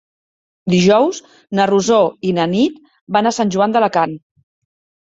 Dijous na Rosó i na Nit van a Sant Joan d'Alacant.